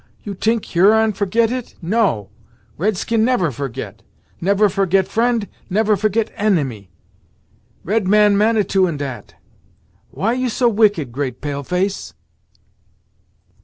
You t'ink Huron forget it? No; red skin never forget! Never forget friend; never forget enemy. Red man Manitou in dat. Why you so wicked, great pale face?"